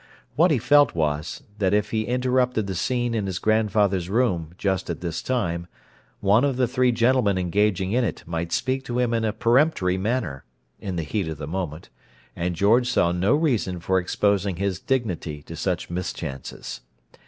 What he felt was, that if he interrupted the scene in his grandfather's room, just at this time, one of the three gentlemen engaging in it might speak to him in a peremptory manner (in the heat of the moment) and George saw no reason for exposing his dignity to such mischances.